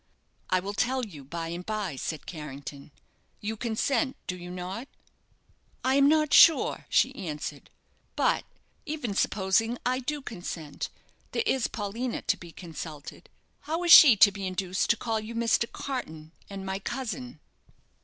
"I will tell you by and by," said Carrington. "You consent, do you not?" "I am not sure," she answered. "But, even supposing I do consent, there is Paulina to be consulted. How is she to be induced to call you Mr. Carton and my cousin?"